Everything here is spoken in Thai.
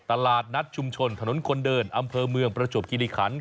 ตลาดนัดชุมชนถนนคนเดินอำเภอเมืองประจวบคิริขัน